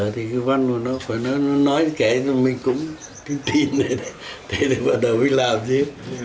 thì cái văn của nó nói kể cho mình cũng tin thế thì bắt đầu mới làm gì